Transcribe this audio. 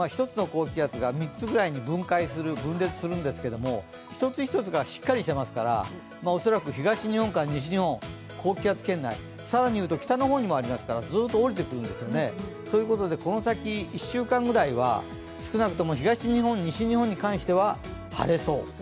１つの高気圧が３つぐらいに分解する、分裂するんですけれども１つ１つがしっかりしていますから、恐らく東日本から西日本、高気圧圏内、更にいうと北の方にもありますからずっと降りてくるんですよね。ということはこの先１週間ぐらいは少なくとも東日本、西日本に関しては晴れそう。